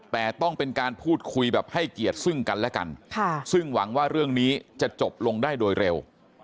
แต่ต้องเป็นการพูดคุยแบบให้เกียรติซึ่งกันและกันซึ่งหวังว่าเรื่องนี้จะจบลงได้โดยเร็ว